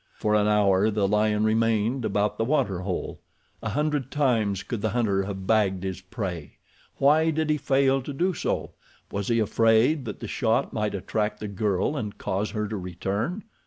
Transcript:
For an hour the lion remained about the water hole. A hundred times could the hunter have bagged his prey. Why did he fail to do so? Was he afraid that the shot might attract the girl and cause her to return?